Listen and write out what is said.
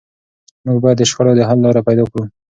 موږ باید د شخړو د حل لارې پیدا کړو.